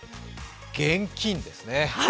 現金ですね。